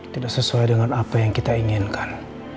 tidak sesuai dengan apa yang kita inginkan